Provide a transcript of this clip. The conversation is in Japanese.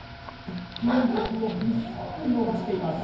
金属を薄く延ばしています。